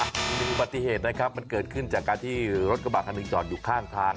อุบัติเหตุนะครับมันเกิดขึ้นจากการที่รถกระบะคันหนึ่งจอดอยู่ข้างทาง